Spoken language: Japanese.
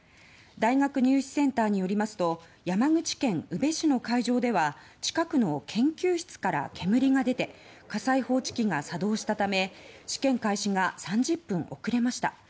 大学入試センターによりますと山口県宇部市の会場では近くの研究室から煙が出て火災報知機が作動したため試験開始が３０分遅れました。